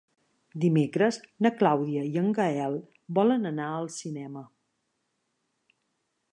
Dimecres na Clàudia i en Gaël volen anar al cinema.